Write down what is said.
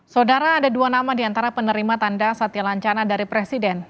saudara ada dua nama di antara penerima tanda satya lancana dari presiden